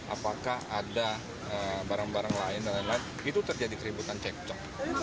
apakah ada barang barang lain itu terjadi keributan cekcok